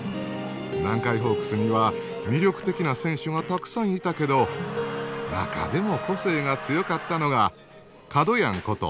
南海ホークスには魅力的な選手がたくさんいたけど中でも個性が強かったのがかどやんこと